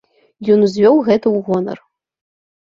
Ён узвёў гэта ў гонар.